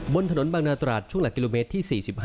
บนถนนบางนาตราดช่วงหลักกิโลเมตรที่๔๕